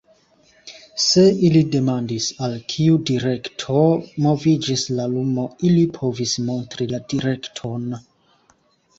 Se li demandis, al kiu direkto moviĝis la lumo, ili povis montri la direkton.